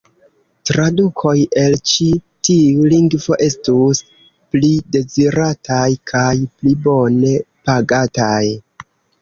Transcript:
Tradukoj el ĉi tiu lingvo estus pli dezirataj kaj pli bone pagataj.